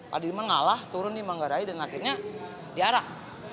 pak dirman kalah turun di manggarai dan akhirnya diarak